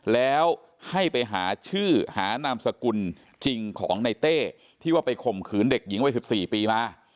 แล้วให้ไปหาชื่อหานามสกุลจริงของในเต้ที่ว่าไปข่มขืนเด็กหญิงวัย๑๔ปีมา